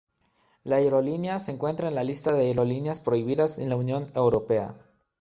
La aerolínea se encuentra en la lista de aerolíneas prohibidas en la Unión Europea.